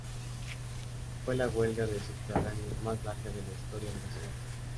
Fue la huelga de subterráneos más larga de la historia de la Ciudad.